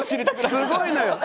すごいのよ。